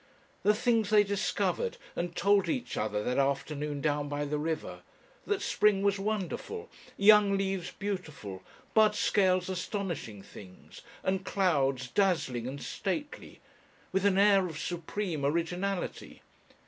The things they discovered and told each other that afternoon down by the river! that spring was wonderful, young leaves beautiful, bud scales astonishing things, and clouds dazzling and stately! with an air of supreme originality!